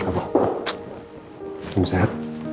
terima kasih pak